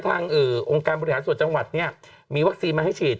องค์การบริหารส่วนจังหวัดเนี่ยมีวัคซีนมาให้ฉีด